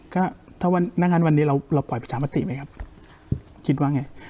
ก็ถ้าวันนั้นวันนี้เราปล่อยประชามติมั้ยครับเครียดว่าไง